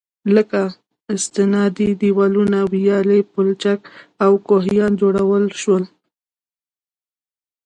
لكه: استنادي دېوالونه، ويالې، پولچك او كوهيان جوړ شول.